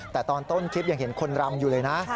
แต่ตอนต้นคลิปยังเห็นคนรำอยู่เลยนะ